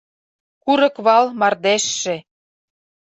Курыквал мардежше